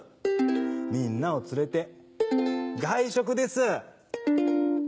みんなを連れて、外食です。